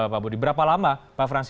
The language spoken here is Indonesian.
pak budi berapa lama pak frans